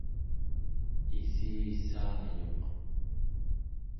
ississaayuq